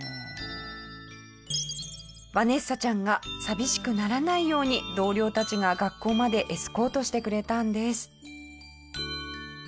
ヴァネッサちゃんが寂しくならないように同僚たちが学校までエスコートしてくれたんです。